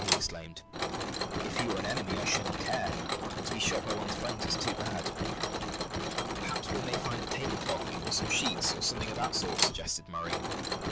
he exclaimed. "If he were an enemy, I shouldn't care, but to be shot by one's friends is too bad." "Perhaps we may find a tablecloth, or some sheets, or something of that sort," suggested Murray.